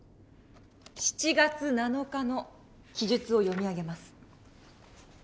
７月７日の記述を読み上げます。